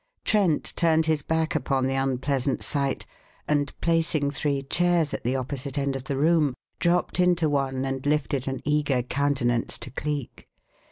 Trent turned his back upon the unpleasant sight and, placing three chairs at the opposite end of the room, dropped into one and lifted an eager countenance to Cleek.